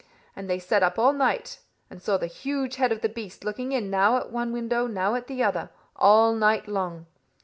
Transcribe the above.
And they sat up all night, and saw the huge head of the beast looking in now at one window, now at another, all night long.